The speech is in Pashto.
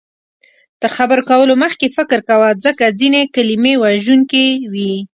تر خبرو کولو مخکې فکر کوه، ځکه ځینې کلمې وژونکې وي